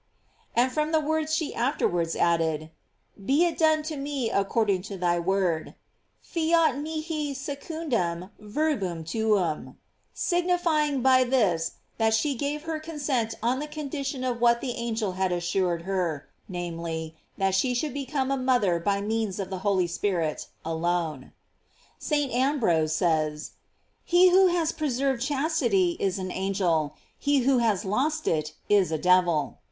"* and from the words she afterwards added: Be it done to me according to thy word : "Fiat mihi secundum verbum tuum ;" signifying by this that she gave her con cent on the condition of which the angel had assured her, namely, that she should become a mother by means of the Holy Spirit alone. St. Ambrose says: He who has preserved chas tity is an angel, he who has lost it is a devil.